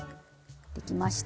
できました。